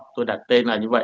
tôi đặt tên là như vậy